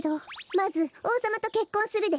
まずおうさまとけっこんするでしょ。